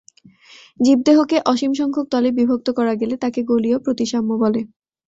জীব দেহকে অসীম সংখ্যক তলে বিভক্ত করা গেলে তাকে গোলীয় প্রতিসাম্য বলে।